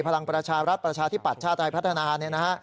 พลังประชารัฐประชาธิปัตย์ชาติไทยพัฒนา